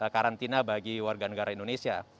karantina bagi warga negara indonesia